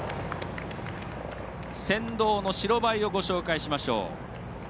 先導の白バイをご紹介しましょう。